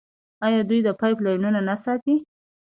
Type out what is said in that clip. آیا دوی پایپ لاینونه نه ساتي؟